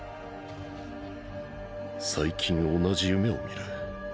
最近同じ夢を見る。